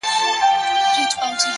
د کوټې خاموشي د شیانو غږونه څرګندوي!.